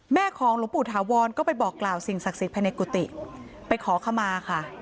ของหลวงปู่ถาวรก็ไปบอกกล่าวสิ่งศักดิ์สิทธิภายในกุฏิไปขอขมาค่ะ